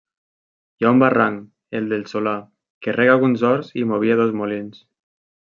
Hi ha un barranc, el del Solà, que rega alguns horts i movia dos molins.